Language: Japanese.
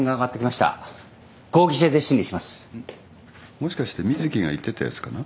もしかして瑞希が言ってたやつかな。